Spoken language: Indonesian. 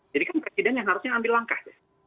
jadi kan presiden yang harusnya ambil langkah